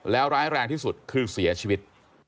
แล้วร้ายแรงที่สุดคือเสียชีวิต